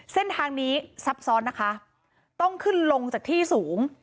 เส้นทางนี้ซับซ้อนนะคะต้องขึ้นลงจากที่สูง